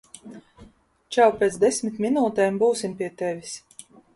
Čau, pēc desmit minūtēm būsim pie tevis.